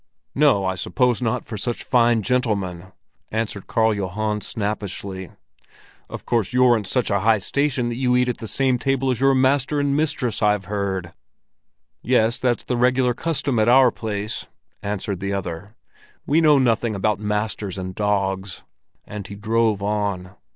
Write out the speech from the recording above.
"No, I suppose not for such fine gentlemen," answered Karl Johan snappishly. "Of course, you're in such a high station that you eat at the same table as your master and mistress, I've heard." "Yes, that's the regular custom at our place," answered the other. "We know nothing about masters and dogs." And he drove on.